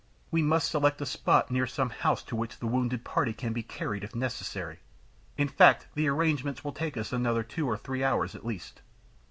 We must select a spot near some house to which the wounded party can be carried if necessary. In fact, the arrangements will take us another two or three hours at least."